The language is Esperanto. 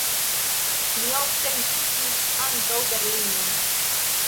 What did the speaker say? Li ofte vizitis ankaŭ Berlinon.